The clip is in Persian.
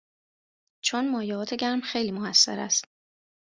چون مایعات گرم خیلی موثر است